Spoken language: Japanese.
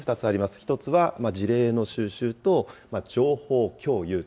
１つは事例の収集と情報共有と。